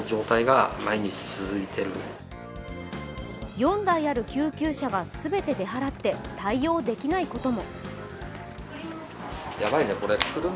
４台ある救急車は全て出払って対応できないことも。